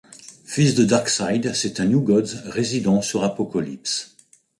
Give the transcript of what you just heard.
Fils de Darkseid, c'est un New Gods, résidant sur Apokolips.